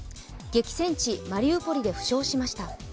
激戦地マリウポリで負傷しました。